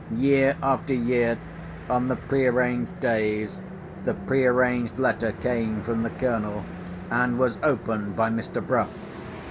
Year after year, on the prearranged days, the prearranged letter came from the Colonel, and was opened by Mr. Bruff.